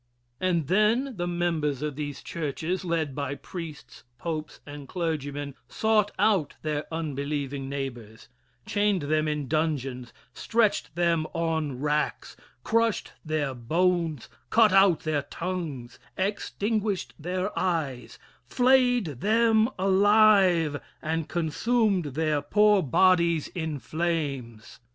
And then the members of these churches, led by priests, popes, and clergymen, sought out their unbelieving neighbors chained them in dungeons, stretched them on racks, crushed their bones, cut out their tongues, extinguished their eyes, flayed them alive and consumed their poor bodies in flames.